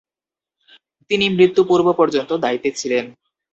তিনি মৃত্যু-পূর্ব পর্যন্ত দায়িত্বে ছিলেন।